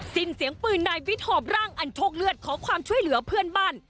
สิ้นเสียงปืนนายวิทย์หอบร่างอันโชคเลือดขอความช่วยเหลือเพื่อนบ้าน